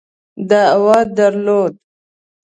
دعوه درلوده.